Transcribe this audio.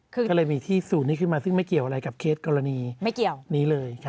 ก็เลยมีที่ศูนย์นี้ขึ้นมาซึ่งไม่เกี่ยวอะไรกับเคสกรณีไม่เกี่ยวนี้เลย